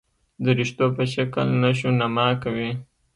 درشتو په شکل نشونما کوي.